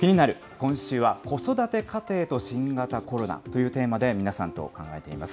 今週は子育て家庭と新型コロナというテーマで皆さんと考えていきます。